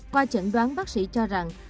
qua chẩn đoán bác sĩ cho rằng